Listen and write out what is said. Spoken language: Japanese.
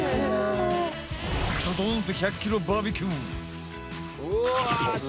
ドドーンと１００ｋｇバーベキュー。